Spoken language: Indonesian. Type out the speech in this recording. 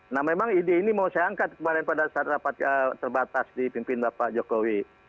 nah memang ide ini mau saya angkat kemarin pada saat rapat terbatas di pimpin bapak jokowi